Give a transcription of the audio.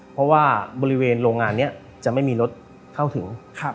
เพราะว่าบริเวณโรงงานนี้จะไม่มีรถเข้าถึง